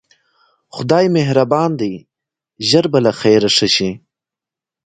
خدای مهربان دی ژر به له خیره ښه شې.